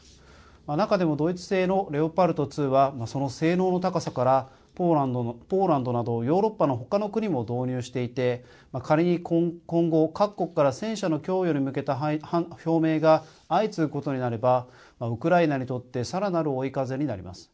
中でもドイツ製のレオパルト２はその性能の高さからポーランドなどヨーロッパの他の国も導入していて仮に今後各国から戦車の供与に向けた表明が相次ぐことになればウクライナにとってさらなる追い風になります。